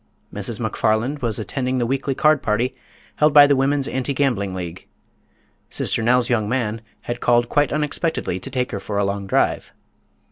Mrs. McFarland was attending the weekly card party held by the Women's Anti Gambling League. Sister Nell's young man had called quite unexpectedly to take her for a long drive.